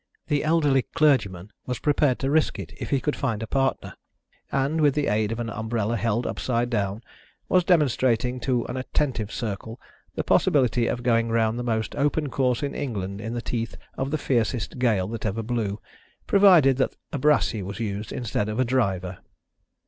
The elderly clergyman was prepared to risk it if he could find a partner, and, with the aid of an umbrella held upside down, was demonstrating to an attentive circle the possibility of going round the most open course in England in the teeth of the fiercest gale that ever blew, provided that a brassy was used instead of a driver.